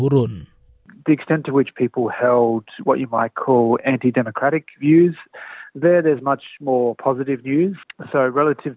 untuk berpikir kita harus menghilangkan parlimen